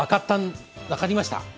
分かりました？